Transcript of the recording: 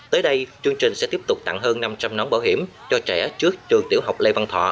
tới đây chương trình sẽ tiếp tục tặng hơn năm trăm linh nón bảo hiểm cho trẻ trước trường tiểu học lê văn thọ